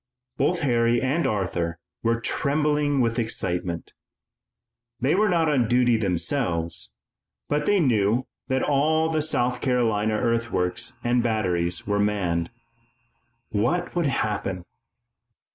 Both Harry and Arthur were trembling with excitement. They were not on duty themselves, but they knew that all the South Carolina earthworks and batteries were manned. What would happen?